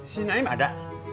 si naim ada